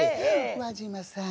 輪島さん。